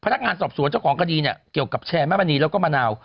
พนักงานสอบสวนเจ้าของคดีเนี่ยเกี่ยวกับแชร์แม่มณีแล้วก็มะนาว